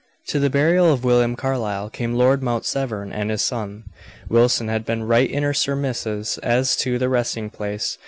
To the burial of William Carlyle came Lord Mount Severn and his son. Wilson had been right in her surmises as to the resting place.